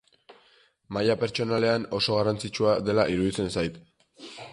Maila pertsonalean oso garrantzitsua dela iruditzen zait.